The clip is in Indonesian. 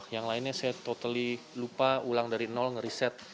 yang lainnya saya totally lupa ulang dari nol ngeriset